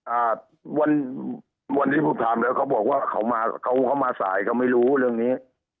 อ่าวันวันนี้ผมถามแล้วเขาบอกว่าเขามาเขาเขามาสายเขาไม่รู้เรื่องนี้